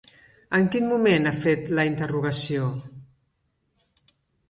En quin moment ha fet la interrogació?